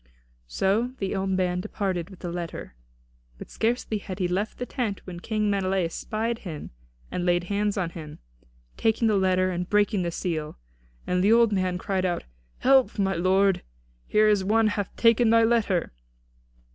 So the old man departed with the letter. But scarcely had he left the tent when King Menelaus spied him and laid hands on him, taking the letter and breaking the seal. And the old man cried out: "Help, my lord; here is one hath taken thy letter!"